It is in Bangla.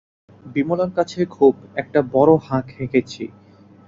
বিমলার কাছে খুব একটা বড়ো হাঁক হেঁকেছি।